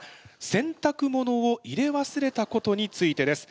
洗濯物を入れわすれたことについてです。